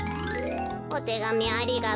「おてがみありがとう。